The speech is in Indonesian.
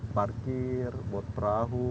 parkir bot perahu